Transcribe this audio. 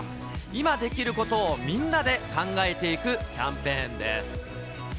今できることをみんなで考えていくキャンペーンです。